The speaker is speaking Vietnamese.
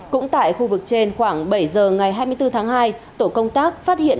cũng tại khu vực trên khoảng bảy giờ ngày hai mươi bốn tháng hai tổ công tác phát hiện